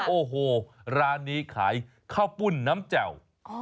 โอ้โหร้านนี้ขายข้าวปุ้นน้ำแจ่ว